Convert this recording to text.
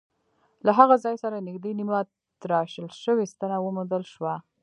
له هغه ځای سره نږدې نیمه تراشل شوې ستنه وموندل شوه.